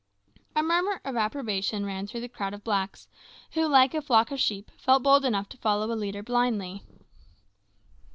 A murmur of approbation ran through the crowd of blacks, who, like a flock of sheep, felt bold enough to follow a leader blindly.